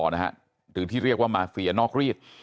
หรือที่เรียกว่ามาเฟียนอกรีด